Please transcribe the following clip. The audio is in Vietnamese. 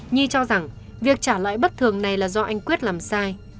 nhi cho rằng việc trả lại bất thường này là do anh quyết làm sai